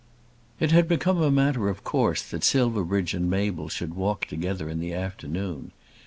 It had become a matter of course that Silverbridge and Mabel should walk together in the afternoon.